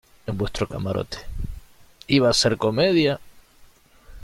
en vuestro camarote. iba a ser comedia